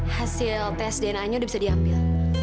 hasil tes dna nya sudah bisa diambil